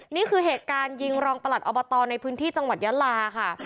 นี่คือเหตุการณ์ยิงรองประหลัดอบตในพื้นที่จังหวัดยาลาค่ะ